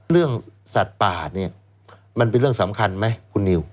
เรื่องสัตว์ป่าเนี่ยมันเป็นเรื่องสำคัญไหมคุณนิว